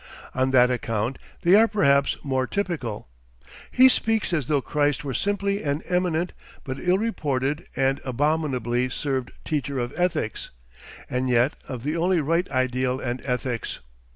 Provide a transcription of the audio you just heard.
On that account they are perhaps more typical. He speaks as though Christ were simply an eminent but ill reported and abominably served teacher of ethics and yet of the only right ideal and ethics.